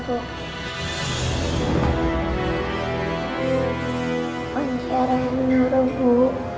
bukan tiara yang menyuruh bu